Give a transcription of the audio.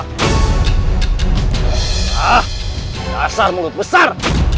hah kasar mulut besar